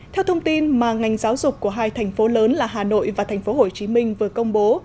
theo thông tin mà ngành giáo dục của hai thành phố lớn là hà nội và thành phố hồ chí minh vừa công bố